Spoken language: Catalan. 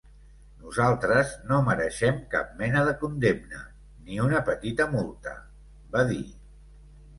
Nosaltres no mereixem cap mena de condemna, ni una petita multa, va dir.